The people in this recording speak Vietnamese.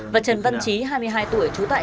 và trần văn trí hai mươi hai tuổi trú tại